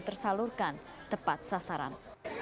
tersalurkan tepat sasaran